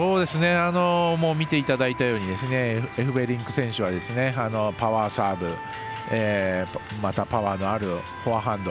見ていただいたようにエフベリンク選手はパワーサーブまた、パワーのあるフォアハンド。